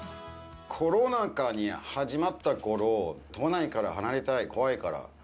コロナ禍に始まったころ、都内から離れたい、怖いから。